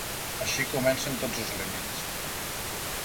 Així comencen tots els límits.